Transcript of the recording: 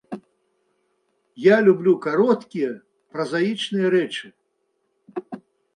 Я люблю кароткія празаічныя рэчы.